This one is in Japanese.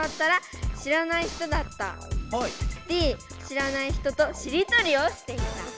Ｄ知らない人としりとりをしていた。